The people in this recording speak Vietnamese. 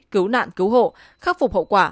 cứu nạn cứu hộ khắc phục hậu quả